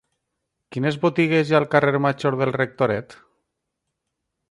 Quines botigues hi ha al carrer Major del Rectoret?